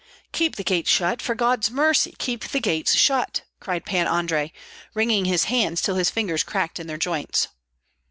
"Keep the gates shut, for God's mercy, keep the gates shut!" cried Pan Andrei, wringing his hands till his fingers cracked in their joints.